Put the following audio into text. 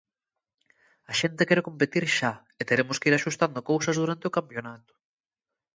A xente quere competir xa, e teremos que ir axustando cousas durante o campionato.